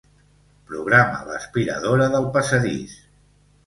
Programa l'aspiradora del passadís.